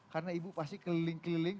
karena ibu pasti keliling keliling